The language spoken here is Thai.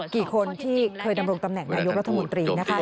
กี่คนที่เคยดำรงตำแหน่งนายกรัฐมนตรีนะคะ